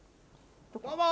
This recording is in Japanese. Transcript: どうも！